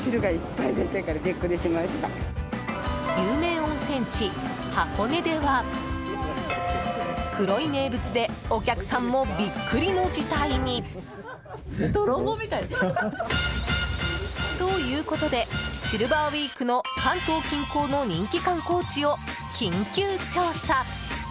有名温泉地、箱根では黒い名物でお客さんもビックリの事態に！ということでシルバーウイークの関東近郊の人気観光地を緊急調査！